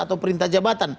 atau perintah jabatan